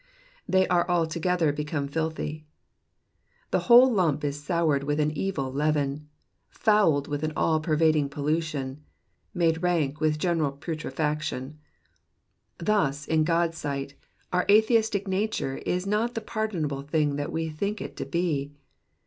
''''They are altogether become JUthy.'''' The whole lump is soured with an evil leaven, fouled with an all pervading pollution, made rank with general putrefaction. Thus, in God's sight, our atheistic nature is not the pardoned thing that we think it to be.